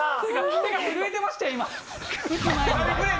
手が震えてましたよ、打つ前に。